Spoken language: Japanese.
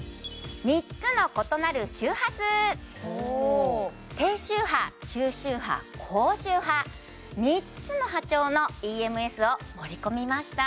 ３つの異なる周波数低周波中周波高周波３つの波長のＥＭＳを盛り込みました